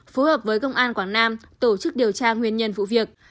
phối hợp với công an quảng nam tổ chức điều tra nguyên nhân vụ việc